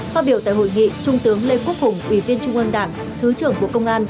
phát biểu tại hội nghị trung tướng lê quốc hùng ủy viên trung ương đảng thứ trưởng bộ công an